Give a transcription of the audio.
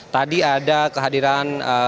tadi ada kehadiran